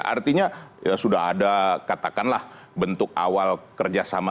artinya sudah ada katakanlah bentuk awal kerjasama